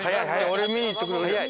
俺見に行ってくる。